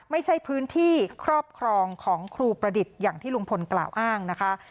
ไม่ใช่พื้นที่ครอบครองของครูประดิษฐ์อย่างที่ลุงพลกล่าวอ้างนะคะ